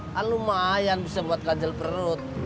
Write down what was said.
kan lumayan bisa buat ganjel perut